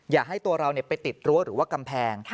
อย่าให้ตัวเราไปติดรั้วหรือว่ากำแพง